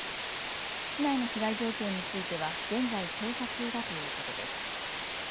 市内の被害状況については現在、調査中だということです。